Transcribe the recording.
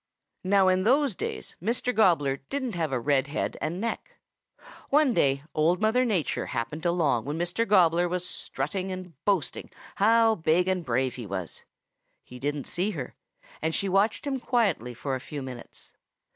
"Now in those days Mr. Gobbler didn't have a red head and neck. One day Old Mother Nature happened along when Mr. Gobbler was strutting and boasting how big and brave he was. He didn't see her, and she watched him quietly for a few minutes.